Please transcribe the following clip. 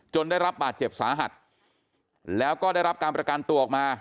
ได้รับบาดเจ็บสาหัสแล้วก็ได้รับการประกันตัวออกมา